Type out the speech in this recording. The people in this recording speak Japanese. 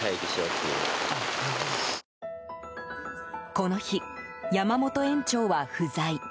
この日、山本園長は不在。